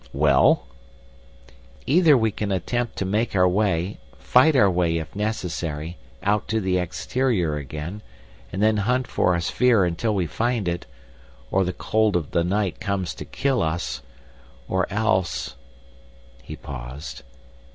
"Well?" "Either we can attempt to make our way—fight our way if necessary—out to the exterior again, and then hunt for our sphere until we find it, or the cold of the night comes to kill us, or else—" He paused.